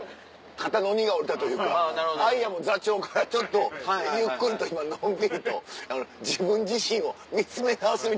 肩の荷が下りたというかアイアム座長からちょっとゆっくりと今のんびりと自分自身を見つめ直すみたいな。